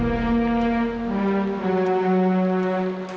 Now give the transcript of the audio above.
saya mau ke baja